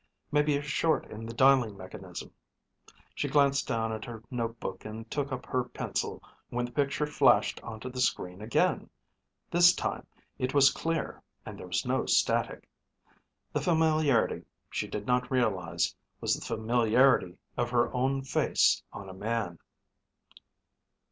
Maybe a short in the dialing mechanism. She glanced down at her notebook and took up her pencil when the picture flashed onto the screen again. This time it was clear and there was no static. The familiarity, she did not realize, was the familiarity of her own face on a man.